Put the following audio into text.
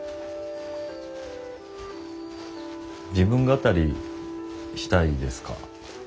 自分語りしたいですか？